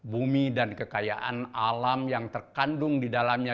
bumi dan kekayaan alam yang terkandung di dalamnya